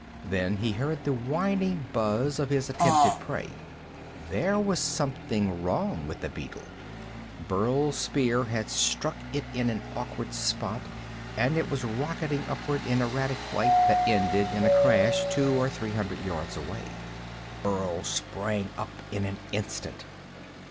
Then he heard the whining buzz of his attempted prey. There was something wrong with the beetle. Burl's spear had struck it in an awkward spot, and it was rocketing upward in erratic flight that ended in a crash two or three hundreds yards away. Burl sprang up in an instant.